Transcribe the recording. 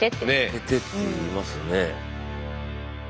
「開けて」っていいますね。